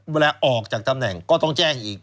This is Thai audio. เวลาออกจากตำแหน่งก็ต้องแจ้งอีก